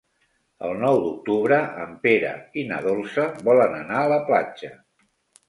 El nou d'octubre en Pere i na Dolça volen anar a la platja.